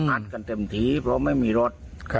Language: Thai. อัดกันเต็มทีเพราะไม่มีรถ